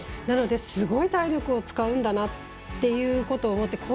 なので、すごい体力を使うんだなっていうのを思って。